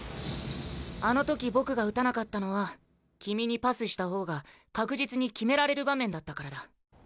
あの時僕が打たなかったのは君にパスした方が確実に決められる場面だったからだ。